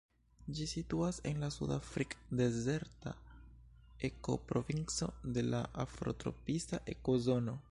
Ĝi situas en la sudafrik-dezerta ekoprovinco de la afrotropisa ekozono.